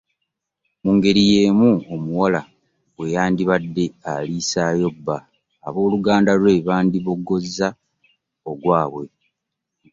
Mu ngeri y’emu omuwala bwe yandibadde aliisaayo bba ab’oludda lwe bandiboggoza ogwabwe.